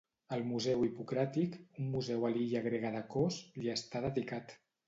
El Museu Hipocràtic, un museu a l'illa grega de Kos, li està dedicat.